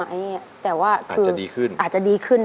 แต่ว่าคืออาจจะดีขึ้นมากเลยนะครับคืออาจจะดีขึ้น